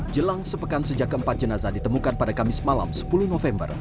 jelang sepekan sejak keempat jenazah ditemukan pada kamis malam sepuluh november